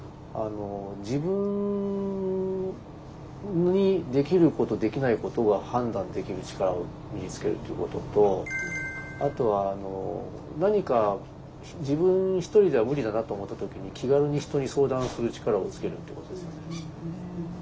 自分にできることできないことが判断できる力を身につけるということとあとは何か自分ひとりでは無理だなと思った時に気軽に人に相談する力をつけるっていうことですよね。